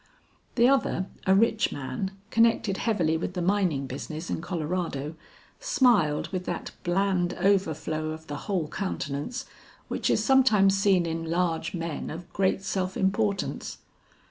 The other, a rich man, connected heavily with the mining business in Colorado, smiled with that bland overflow of the whole countenance which is sometimes seen in large men of great self importance.